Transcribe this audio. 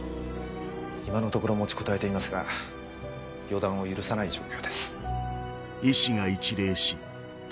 今のところ持ちこたえていますが予断を許さない状況です。